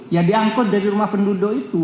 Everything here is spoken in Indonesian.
ya diangkut dari rumah penduduk itu